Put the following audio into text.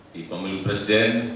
di pemilih presiden